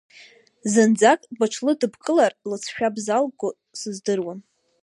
Зынӡак быҽлыдыбкылар лыҵшәа бзалгоу сыздыруам.